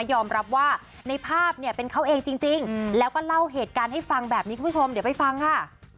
ยอมรับว่าในภาพเนี่ยเป็นเขาเองจริงแล้วก็เล่าเหตุการณ์ให้ฟังแบบนี้คุณผู้ชมเดี๋ยวไปฟังค่ะ